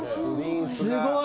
すごい。